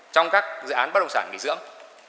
trong các dự án bất động sản nghỉ dưỡng